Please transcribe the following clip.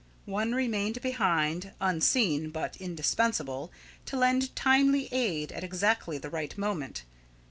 One remained behind, unseen but indispensable, to lend timely aid at exactly the right moment.